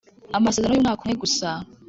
amasezerano y’umwaka umwe gusa